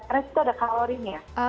karena itu ada kalorinya